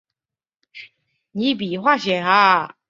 西汉高祖六年建县。